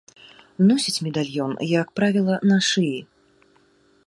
Носяць медальён, як правіла, на шыі.